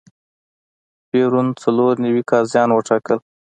پېرون څلور نوي قاضیان وټاکل.